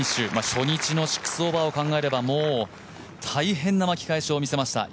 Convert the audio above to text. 初日の６オーバーを考えればもう大変な巻き返しを見せました。